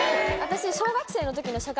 私小学生の時の。